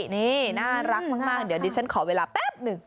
นี่น่ารักมากเดี๋ยวดิฉันขอเวลาแป๊บหนึ่ง